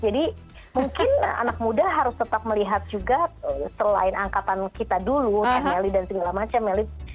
jadi mungkin anak muda harus tetap melihat juga selain angkatan kita dulu melly dan segala macam